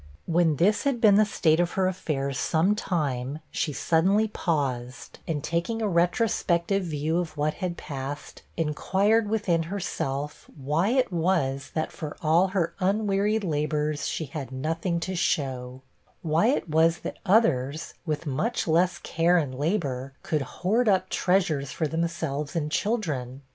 When this had been the state of her affairs some time, she suddenly paused, and taking a retrospective view of what had passed, inquired within herself, why it was that, for all her unwearied labors, she had nothing to show; why it was that others, with much less care and labor, could hoard up treasures for themselves and children?